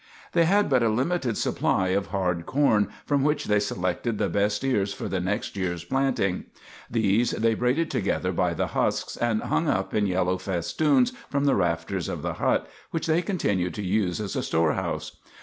They had but a limited supply of hard corn, from which they selected the best ears for the next year's planting. These they braided together by the husks, and hung up in yellow festoons from the rafters of the hut, which they continued to use as a storehouse.